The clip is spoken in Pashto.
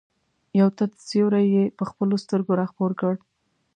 یو تت سیوری یې په خپلو سترګو را خپور کړ.